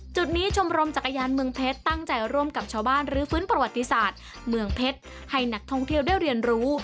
จุดนี้ชมรมจักรยานเมืองเพชรตั้งใจร่วมกับชาวบ้านรื้อฟื้นประวัติศาสตร์เมืองเพชรให้นักท่องเที่ยวได้เรียนรู้